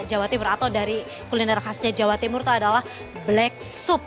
jawa timur atau dari kuliner khasnya jawa timur itu adalah black sup